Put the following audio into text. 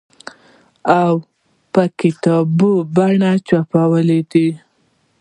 او په کتابي بڼه چاپول دي